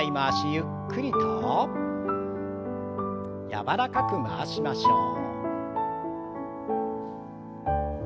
柔らかく回しましょう。